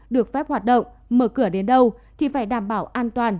được phép hoạt động mở cửa đến đâu thì phải đảm bảo an toàn